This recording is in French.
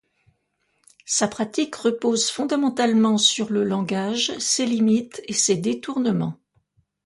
Sa pratique repose fondamentalement sur le langage, ses limites et ses détournements.